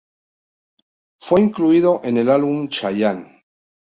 Fue incluido en el álbum Chayanne.